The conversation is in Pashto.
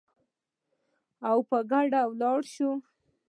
او په ګډه ولاړ شو